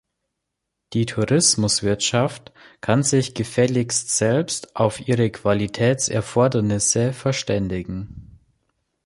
Die Tourismuswirtschaft kann sich gefälligst selbst auf ihre Qualitätserfordernisse verständigen.